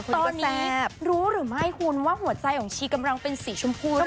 ตอนนี้รู้หรือไม่คุณว่าหัวใจของชีกำลังเป็นสีชมพูหรือเปล่า